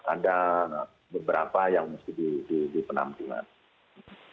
ada beberapa yang masih di penampungan